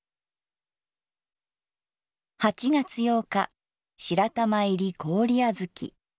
８月８日「白玉入り氷あづき」。